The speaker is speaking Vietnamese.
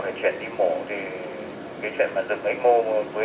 mình đang tựa trách này để cân nhắc cái chuyện sẽ dựng ảnh mô trong một buổi chiều này